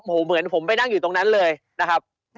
เหมือนผมไปนั่งอยู่ตรงนั้นเลยนะครับ